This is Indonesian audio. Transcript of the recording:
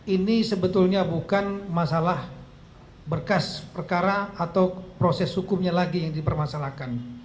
ini sebetulnya bukan masalah berkas perkara atau proses hukumnya lagi yang dipermasalahkan